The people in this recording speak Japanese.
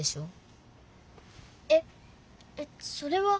ええっそれは。